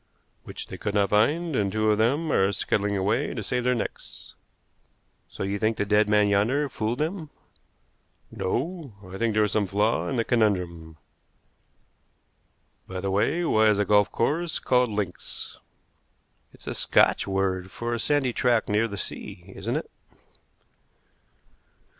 "Which they could not find; and two of them are scuttling away to save their necks." "So you think the dead man yonder fooled them?" "No. I think there is some flaw in the conundrum. By the way, why is a golf course called links?" "It's a Scotch word for a sandy tract near the sea, isn't it?"